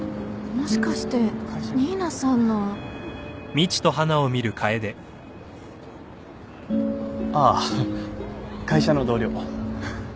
もしかして新名さんの。ああ会社の同僚。